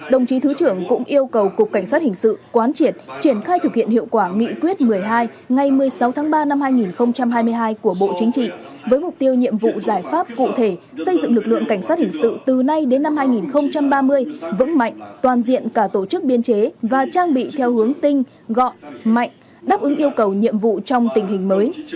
đồng chí thứ trưởng cũng yêu cầu cục cảnh sát hình sự quán triển triển khai thực hiện hiệu quả nghị quyết một mươi hai ngày một mươi sáu tháng ba năm hai nghìn hai mươi hai của bộ chính trị với mục tiêu nhiệm vụ giải pháp cụ thể xây dựng lực lượng cảnh sát hình sự từ nay đến năm hai nghìn ba mươi vững mạnh toàn diện cả tổ chức biên chế và trang bị theo hướng tinh gọn mạnh đáp ứng yêu cầu nhiệm vụ trong tình hình mới